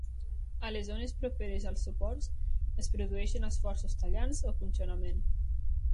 A les zones properes als suports es produeixen esforços tallants o punxonament.